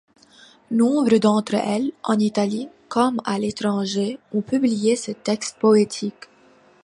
Nombre d’entre elles, en Italie comme à l’étranger, ont publié ses textes poétiques.